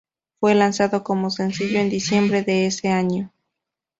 Fue lanzado como sencillo en diciembre de ese año.